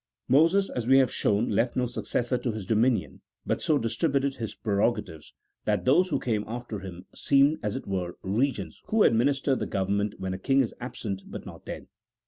Moses, as we have shown, left no successor to his dominion, but so distributed his prerogatives, that those who came after him seemed, as it were, regents who administer the government when a king is absent but not dead.